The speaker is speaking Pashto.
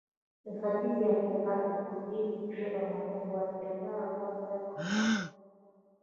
د ختیځې افریقا د سوهیلي ژبې متل وایي جګړه ړنده ده.